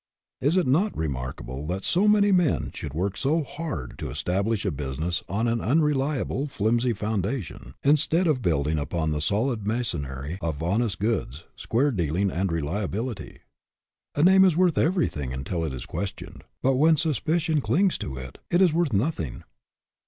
Is it not remarkable that so many men should work so hard to establish a business on an un reliable, flimsy foundation, instead of building upon the solid masonry of honest goods, square dealing, reliability? A name is worth everything until it is ques tioned; but when suspicion clings to it, it is worth nothing.